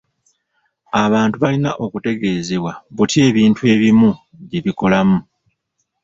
Abantu balina okutegeezebwa butya ebintu ebimu gye bikolamu.